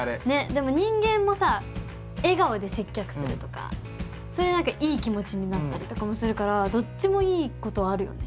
でも人間もさ笑顔で接客するとかそれで何かいい気持ちになったりとかもするからどっちもいいことあるよね。